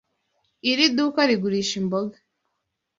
Iri duka rigurisha imboga.